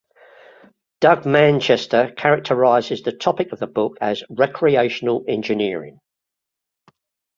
Doug Manchester characterizes the topic of the book as "recreational engineering".